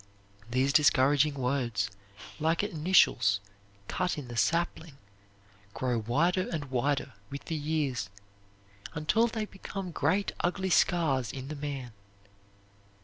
These discouraging words, like initials cut in the sapling, grow wider and wider with the years, until they become great ugly scars in the man.